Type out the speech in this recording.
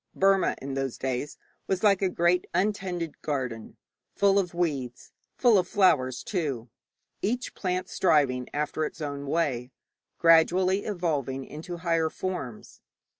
Burma in those days was like a great untended garden, full of weeds, full of flowers too, each plant striving after its own way, gradually evolving into higher forms.